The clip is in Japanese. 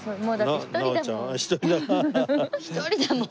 一人だもん。